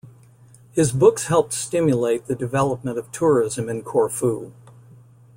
His books helped stimulate the development of tourism in Corfu.